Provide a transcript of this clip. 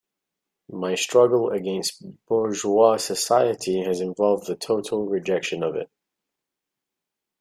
My struggle against bourgeois society has involved the total rejection of it.